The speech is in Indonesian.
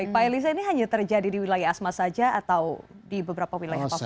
pak elisa ini hanya terjadi di wilayah asma saja atau di beberapa wilayah apapun